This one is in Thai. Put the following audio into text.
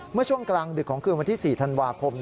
เมื่อช่วงกลางดึกของคืนวันที่๔ธันวาคม